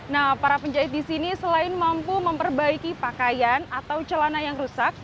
nah para penjahit di sini selain mampu memperbaiki pakaian atau celana yang rusak